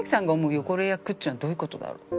汚れ役っちゅうのはどういう事だろう？